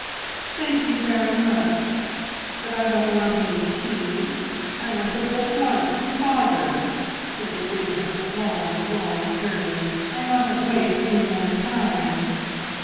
"Thank you very much, but I don't want any tea. I want to go at once to father. It has been such a long, long journey. I mustn't waste any more time!"